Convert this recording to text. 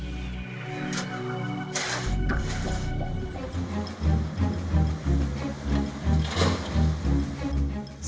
dan sehingga penambang batubara menjadi sumber pendapatan yang cukup menjanjikan